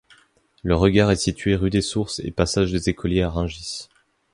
Le regard est situé rue des Sources et passage des Écoliers à Rungis.